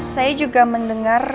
saya juga mendengar